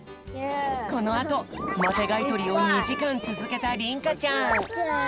このあとマテがいとりを２じかんつづけたりんかちゃん。